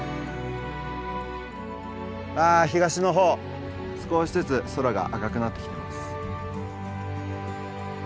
あ東の方少しずつ空が赤くなってきてます。